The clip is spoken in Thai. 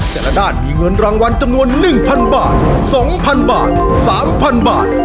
แต่ละด้านมีเงินรางวัลจำนวน๑๐๐บาท๒๐๐บาท๓๐๐บาท